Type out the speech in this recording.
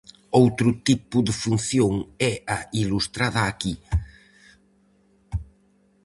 Outro tipo de función é a ilustrada aquí.